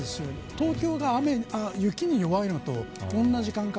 東京が雪に弱いのと同じ感覚。